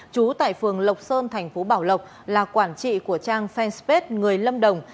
chú tại phường lộc sơn thành phố bảo lộc là quản trị của trang fan space người lâm đồng